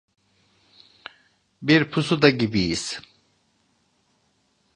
Bir pusuda gibiyiz.